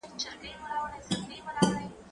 زه کولای سم پاکوالي وساتم،